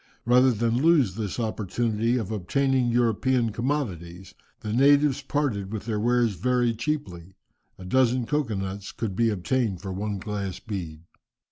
Rather than lose this opportunity of obtaining European commodities, the natives parted with their wares very cheaply; a dozen cocoa nuts could be obtained for one glass bead.